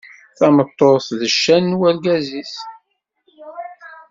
Tameṭṭut d ccan n wergaz-is.